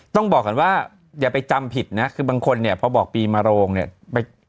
ต้องบอกก่อนว่าอย่าไปจำผิดนะคือบางคนเนี่ยพอบอกปีมาโรงเนี่ย